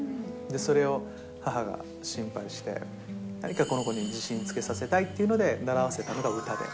それを母が心配して、何かこの子に自信つけさせたいっていうので習わせたのが歌で。